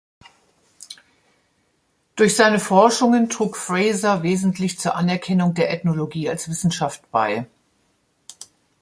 Durch seine Forschungen trug Frazer wesentlich zur Anerkennung der Ethnologie als Wissenschaft bei.